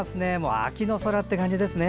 秋の空って感じですね。